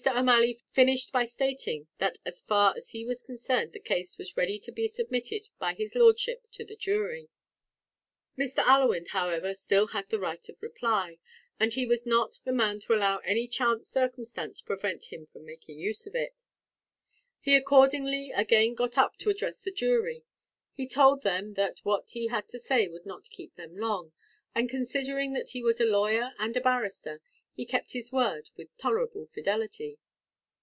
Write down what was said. O'Malley finished by stating that as far as he was concerned the case was ready to be submitted by his lordship to the jury. Mr. Allewinde, however, still had the right of reply, and he was not the man to allow any chance circumstance to prevent him making use of it. He accordingly again got up to address the jury. He told them that what he had to say would not keep them long, and considering that he was a lawyer and a barrister, he kept his word with tolerable fidelity.